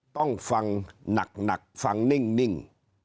ต้องฟังหนักฟังนิ่ง